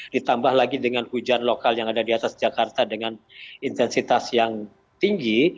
ditambah lagi dengan hujan lokal yang ada di atas jakarta dengan intensitas yang tinggi